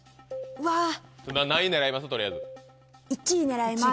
何位狙います？